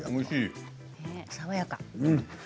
爽やか。